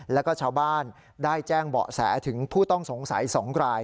แล้วก็ชาวบ้านได้แจ้งเบาะแสถึงผู้ต้องสงสัย๒ราย